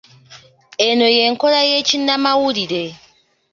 Eno y'enkola ey'ekinnamawulire.